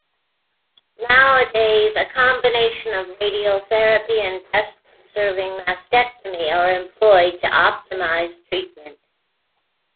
Nowadays, a combination of radiotherapy and breast conserving mastectomy are employed to optimize treatment.